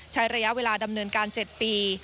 ใช้ระยะเวลาดำเนินการ๗ปี